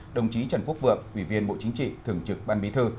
đồng chí trần quốc vượng ủy viên bộ chính trị thường trực ban bí thư